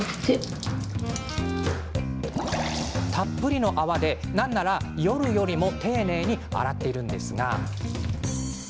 たっぷりの泡で、なんなら夜よりも丁寧に洗っています。